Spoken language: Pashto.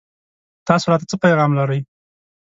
تاسو راته څه پيغام لرئ